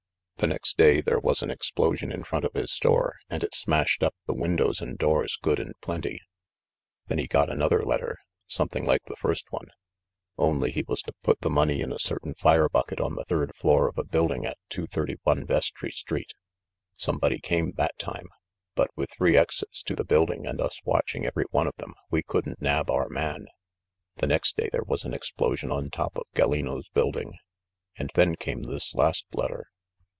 The next day there was an explosion in front of his store, and it smashed up the windows and doors good and plenty. Then he got another letter, some thing like the first one, only he was to put the money in 48 THE MASTER OF MYSTERIES a certain fire bucket on the third floor of a building at 231 Vestry Street. Somebody came that time! but, with three exits to the building and us watching every one of them, we couldn't nab our man. The next day there was an explosion on top of Gallino's building, and then came this last letter."